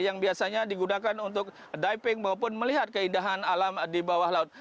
yang biasanya digunakan untuk diving maupun melihat keindahan alam di bawah laut